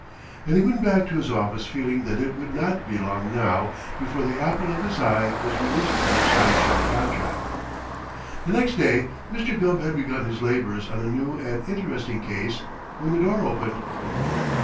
And he went back to his office feeling that it would not be long now before the apple of his eye was released from her side show contract. The next day Mr. Gubb had begun his labors on a new and interesting case when the door opened.